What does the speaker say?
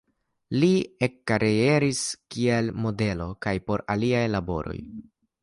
Li ekkarieris kiel modelo kaj por aliaj laboroj.